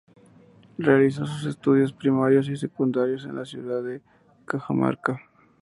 Realizó sus estudios primarios y secundarios en la ciudad de Cajamarca.